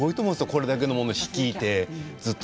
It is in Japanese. これだけのものを率いて。